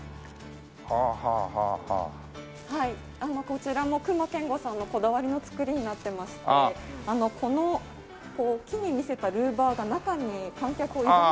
こちらも隈研吾さんのこだわりの造りになってましてこの木に見せたルーバーが中に観客を誘うように。